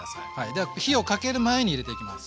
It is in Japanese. では火をかける前に入れていきます。